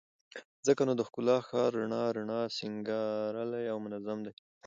ځکه نو د ښکلا ښار رڼا رڼا، سينګارلى او منظم دى